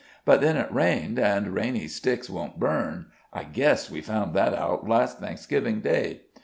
But then it rained, an' rainy sticks won't burn I guess we found that out last Thanksgivin' Day.